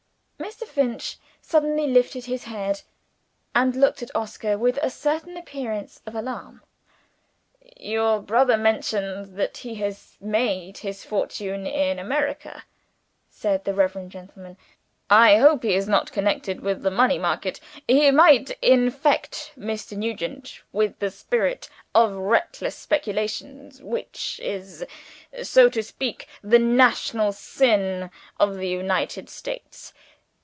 Mr. Finch suddenly lifted his head, and looked at Oscar with a certain appearance of alarm. "Your brother mentions that he has made his fortune in America," said the Reverend gentleman. "I hope he is not connected with the money market. He might infect Mr. Nugent with the spirit of reckless speculation which is, so to speak, the national sin of the United States.